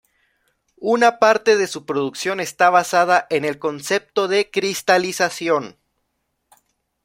Una parte de su producción está basada en el concepto de "cristalización".